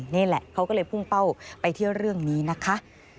นี่แหละเขาก็เลยพุ่งเป้าไปเที่ยวเรื่องนี้นะคะ